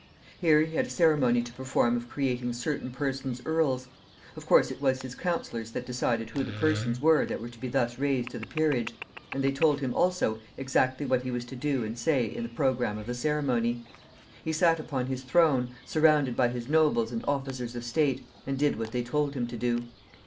Here he had a ceremony to perform of creating certain persons earls. Of course it was his counselors that decided who the persons were that were to be thus raised to the peerage, and they told him also exactly what he was to do and say in the programme of the ceremony. He sat upon his throne, surrounded by his nobles and officers of state, and did what they told him to do.